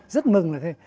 rất mừng là thế